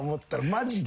マジで。